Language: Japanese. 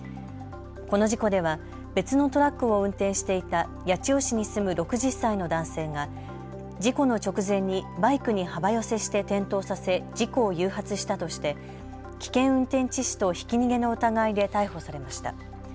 この事故では別のトラックを運転していた八千代市に住む６０歳の男性が事故の直前にバイクに幅寄せして転倒させ事故を誘発したとして危険運転致死とひき逃げの疑いで逮捕されました。